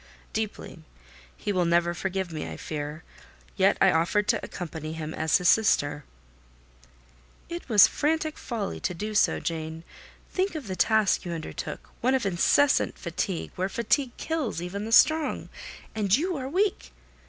"Deeply: he will never forgive me, I fear: yet I offered to accompany him as his sister." "It was frantic folly to do so, Jane. Think of the task you undertook—one of incessant fatigue, where fatigue kills even the strong, and you are weak.